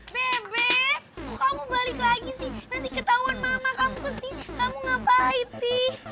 kamu ngapain sih